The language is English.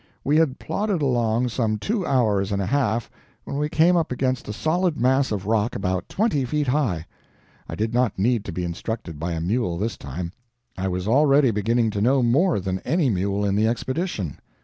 We had plodded along some two hours and a half, when we came up against a solid mass of rock about twenty feet high. I did not need to be instructed by a mule this time. I was already beginning to know more than any mule in the Expedition.